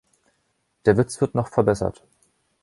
Der Witz wird noch verbessert.